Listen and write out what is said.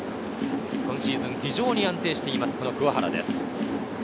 今シーズン非常に安定しています、鍬原です。